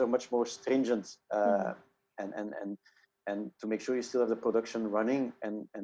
dan untuk memastikan anda masih memiliki produksi yang berjalan